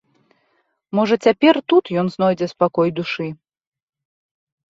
Можа цяпер тут ён знойдзе спакой душы.